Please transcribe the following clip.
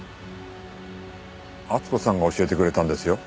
温子さんが教えてくれたんですよ。